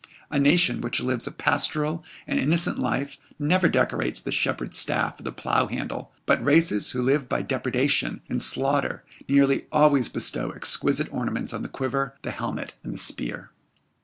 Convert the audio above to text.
A nation which lives a pastoral and innocent life never decorates the shepherd's staff or the plough handle, but races who live by depredation and slaughter nearly always bestow exquisite ornaments on the quiver, the helmet, and the spear.